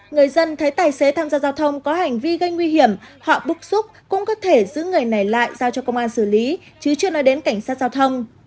người dân thấy tài xế tham gia giao thông có hành vi gây nguy hiểm họ búc cũng có thể giữ người này lại giao cho công an xử lý chứ chưa nói đến cảnh sát giao thông